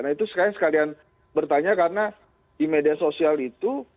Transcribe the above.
nah itu sekalian sekalian bertanya karena di media sosial itu